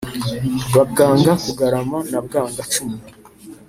ba bwanga-kugarama na bwanga-cumu,